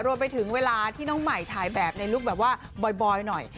รวมไปถึงเวลาที่น้องไหมถ่ายแบบในลูกแบบว่าบอยหน่อย